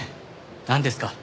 なんですか？